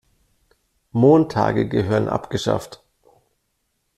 Montage gehören abgeschafft.